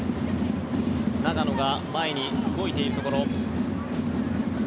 長野が前に動いているところ。